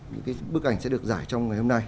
những cái bức ảnh sẽ được giải trong ngày hôm nay